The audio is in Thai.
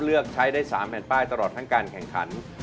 เลือกใช้ได้๓แผ่นป้ายตลอดทั้งการแข่งขัน